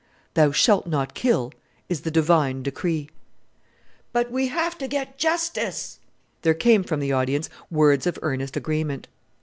'Thou shalt not kill,' is the Divine decree." "But we have to get justice." There came from the audience words of earnest agreement.